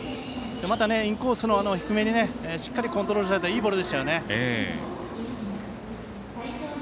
インコースの低めにしっかりコントロールされたとてもいいボールでしたね。